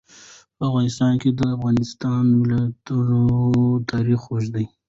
په افغانستان کې د د افغانستان ولايتونه تاریخ اوږد دی.